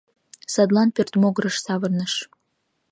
Садлан пӧрт могырыш савырныш.